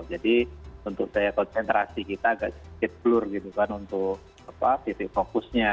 jadi untuk saya koncentrasi kita agak sedikit blur gitu kan untuk fokusnya